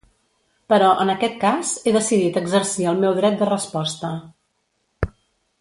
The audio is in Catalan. Però, en aquest cas, he decidit exercir el meu dret de resposta.